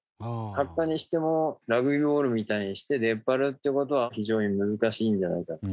白華にしてもラグビーボールみたいにして出っ張るっていう事は非常に難しいんじゃないかと。